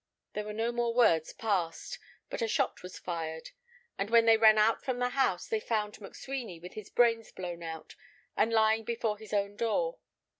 There were no more words passed, but a shot was fired; and when they ran out from the house they found McSweeny, with his brains blown out, and lying before his own door.